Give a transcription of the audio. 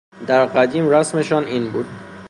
درقدیم رسمشان این بود